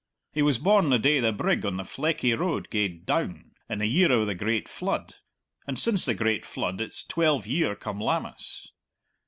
"He was born the day the brig on the Fleckie Road gaed down, in the year o' the great flood; and since the great flood it's twelve year come Lammas.